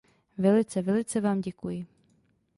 Velice, velice vám děkuji.